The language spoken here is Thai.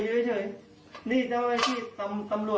อย่าดึงอย่าดึงอย่าดึงข้องเขาดิ